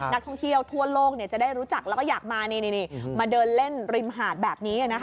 นักท่องเที่ยวทั่วโลกจะได้รู้จักแล้วก็อยากมาเดินเล่นริมหาดแบบนี้